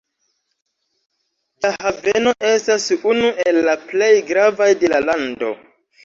Ĝia haveno estas unu el la plej gravaj de la lando.